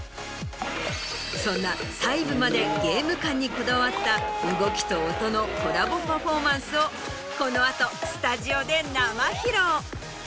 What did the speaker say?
そんな細部までゲーム感にこだわった動きと音のコラボパフォーマンスをこの後スタジオで生披露。